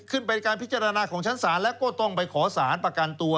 เป็นการพิจารณาของชั้นศาลแล้วก็ต้องไปขอสารประกันตัว